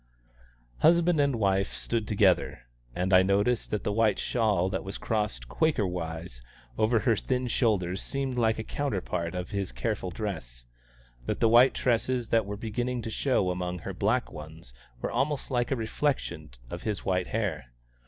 Husband and wife stood together, and I noticed that the white shawl that was crossed Quakerwise over her thin shoulders seemed like a counterpart of his careful dress, that the white tresses that were beginning to show among her black ones were almost like a reflection of his white hair.